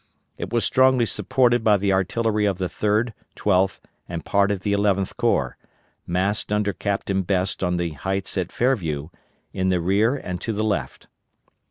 It was strongly supported by the artillery of the Third, Twelfth, and part of the Eleventh Corps, massed under Captain Best on the heights at Fairview, in the rear and to the left.